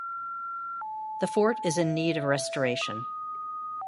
The fort is in need of restoration.